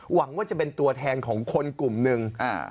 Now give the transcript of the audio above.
หวังว่าจะเป็นตัวแทนของคนกลุ่มหนึ่ง